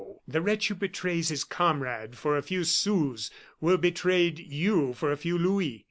the wretch who betrays his comrade for a few sous, will betray you for a few louis.